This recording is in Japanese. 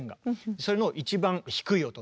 それの一番低い音のＧ線。